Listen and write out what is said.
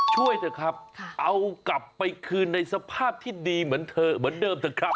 ช่วยสิครับเอากลับไปคืนในสภาพที่ดีเหมือนเดิมสิครับ